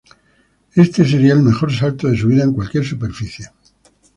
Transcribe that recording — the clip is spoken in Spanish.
Este sería el mejor salto de su vida en cualquier superficie.